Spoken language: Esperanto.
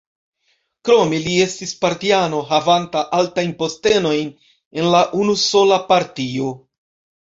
Krome li estis partiano havanta altajn postenojn en la unusola partio.